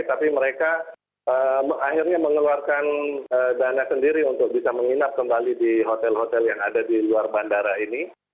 tapi mereka akhirnya mengeluarkan dana sendiri untuk bisa menginap kembali di hotel hotel yang ada di luar bandara ini